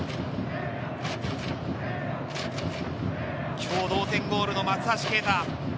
今日、同点ゴールの松橋啓太。